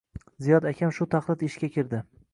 Ziyod akam shu taxlit ishga kirdi